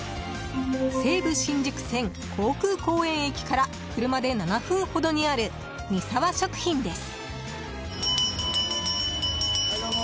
西武新宿線、航空公園駅から車で７分ほどにある見澤食品です。